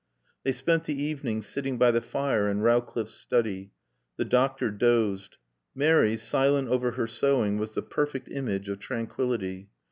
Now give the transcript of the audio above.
They spent the evening sitting by the fire in Rowcliffe's study. The doctor dozed. Mary, silent over her sewing, was the perfect image of tranquillity.